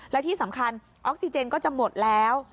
และที่สำคัญออกซิเจนก็จะหมดแล้ว